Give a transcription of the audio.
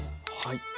はい。